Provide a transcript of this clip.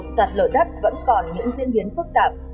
sạt lở đất vẫn còn những diễn biến phức tạp